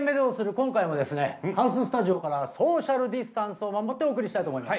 今回もですねハウススタジオからソーシャルディスタンスを守ってお送りしたいと思います。